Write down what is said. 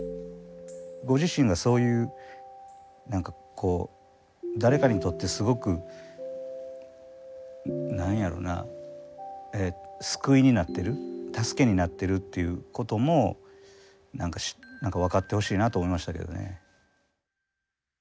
ご自身がそういう何かこう誰かにとってすごく何やろな救いになってる助けになってるっていうことも何か分かってほしいなと思いましたけどね。